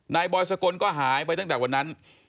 บอยสกลก็หายไปตั้งแต่วันนั้น